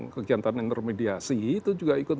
kegiatan intermediasi itu juga ikut